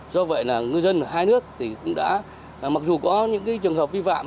do vậy ngư dân hai nước mặc dù có những trường hợp vi phạm